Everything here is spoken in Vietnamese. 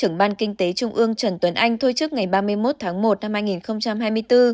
trưởng ban kinh tế trung ương trần tuấn anh thôi trước ngày ba mươi một tháng một năm hai nghìn hai mươi bốn